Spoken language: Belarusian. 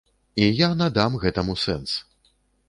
І я надам гэтаму сэнс.